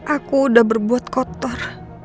aku udah berbuat kotor